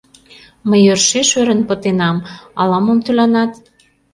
Мый йӧршеш ӧрын пытенам, ала-мом тӱланат...